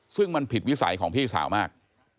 ซึ่งมันผิดวิสัยของพี่สาวมาก